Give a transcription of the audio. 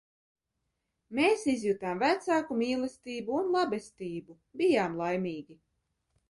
Mēs izjutām vecāku mīlestību un labestību, bijām laimīgi.